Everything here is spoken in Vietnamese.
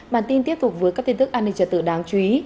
bản tin tiếp tục với các tin tức an ninh trật tự đáng chú ý